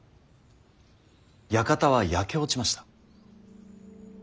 館は焼け落ちました。